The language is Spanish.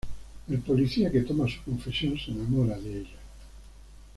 El policía que toma su confesión se enamora de ella.